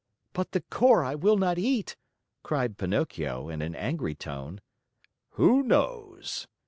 "But the core I will not eat!" cried Pinocchio in an angry tone. "Who knows?"